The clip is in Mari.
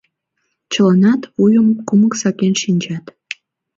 Чыланат вуйым кумык сакен шинчат.